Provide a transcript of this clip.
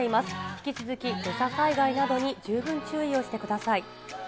引き続き土砂災害などに十分注意をしてください。